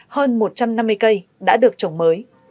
hơn một trăm năm mươi cây đã được trồng mới